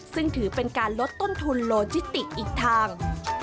ซึ่งถือเป็นการลดต้นทุนโลจิติกอีกทาง